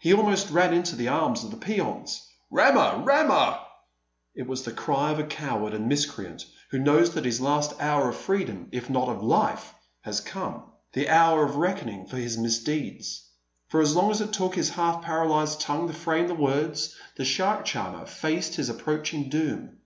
He almost ran into the arms of the peons. "Rama! Rama!" It was the cry of a coward and miscreant who knows that his last hour of freedom, if not of life, has come: the hour of reckoning for his misdeeds. For as long as it took his half paralysed tongue to frame the words, the shark charmer faced his approaching doom.